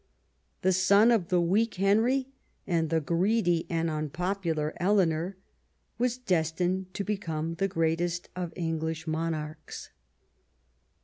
The son of the weak Henry and the greedy and unpopular Eleanor was destined to become the greatest of English monarchs.